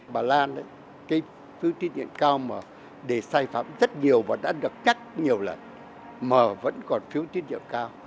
bà lan cái phiếu tín nhiệm cao mà để sai phạm rất nhiều và đã được cắt nhiều lần mà vẫn còn thiếu trách nhiệm cao